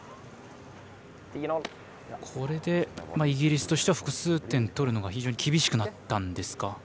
これでイギリスとしては複数点取るのが非常に厳しくなったんですか。